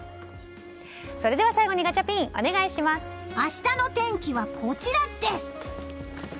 それでは最後にガチャピン明日の天気はこちらです！